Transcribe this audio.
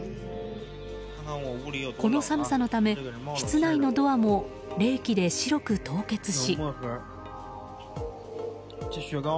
この寒さのため、室内のドアも冷気で白く凍結し。